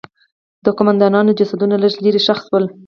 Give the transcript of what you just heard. د قوماندانانو جسدونه لږ لرې ښخ شول.